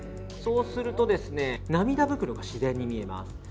そうすると、涙袋が自然に見えます。